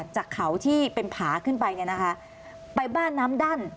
จากเขาที่เป็นผาขึ้นไปเนี่ยนะคะไปบ้านน้ำดั้น